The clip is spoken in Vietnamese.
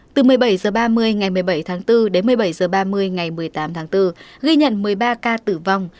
từ một mươi bảy h ba mươi ngày một mươi bảy tháng bốn đến một mươi bảy h ba mươi ngày một mươi tám tháng bốn ghi nhận một mươi ba ca tử vong